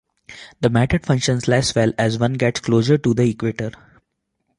The method functions less well as one gets closer to the equator.